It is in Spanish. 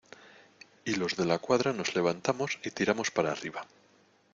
y los De la Cuadra nos levantamos y tiramos para arriba.